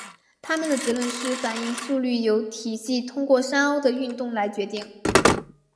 他们的结论是反应速率由体系通过山坳的运动来决定。